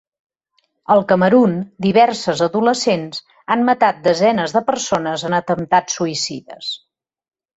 Al Camerun, diverses adolescents han matat desenes de persones en atemptats suïcides.